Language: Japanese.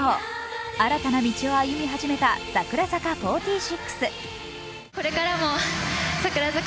新たな道を歩み始めた櫻坂４６。